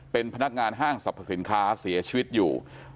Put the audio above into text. เป็นพนักงานห้างสรรพสินค้าเสียชีวิตอยู่